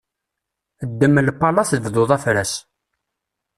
Ddem lpala tebduḍ afras.